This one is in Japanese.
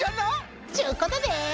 ちゅうことで！